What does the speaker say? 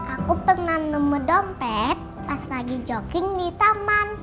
aku pengen nemu dompet pas lagi jogging di taman